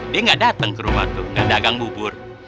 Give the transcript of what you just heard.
dia gak dateng ke rumah tuh gak dagang bubur